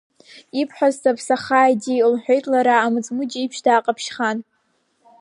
Ибҳәаз саԥсахааит, ди, — лҳәеит лара амыҵмыџь еиԥш дааҟаԥшьхан.